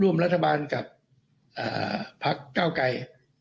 ร่วมรัฐบาลกับพักเก้าไกร